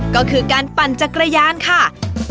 ก็คือการปั่นจักรยานค่ะ